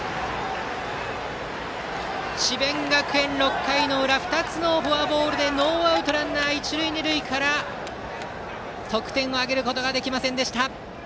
智弁学園、６回の裏２つのフォアボールでノーアウトランナー、一塁二塁から得点を挙げることができませんでした。